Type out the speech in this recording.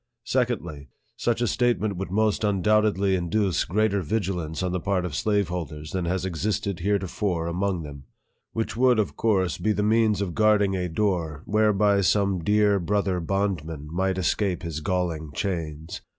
Secondly, such a statement would most undoubt edly induce greater vigilance on the part of slave holders than has existed heretofore among them ; which would, of course, be the means of guarding a door whereby some dear brother bondrrian might escape his galling chains.